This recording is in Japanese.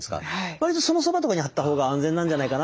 わりとそのそばとかに張った方が安全なんじゃないかな